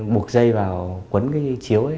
buộc dây vào quấn cái chiếu